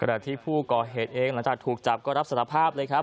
ขณะที่ผู้ก่อเหตุเองหลังจากถูกจับก็รับสารภาพเลยครับ